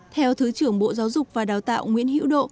theo thứ trưởng bộ giáo dục và đào tạo nguyễn hữu độ